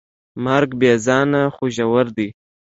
مرګ بېځانه خو ژور دی.